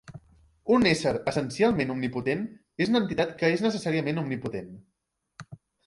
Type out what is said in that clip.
Un ésser essencialment omnipotent és una entitat que és necessàriament omnipotent.